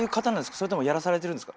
それともやらされてるんですか？